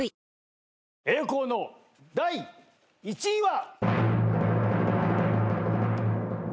栄光の第１位は。